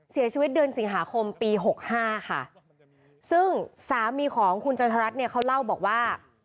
เสียชีวิตเดือนสิงหาคมปีหกห้าค่ะซึ่งสามีของคุณจันทรัศนเนี่ยเขาเล่าบอกว่า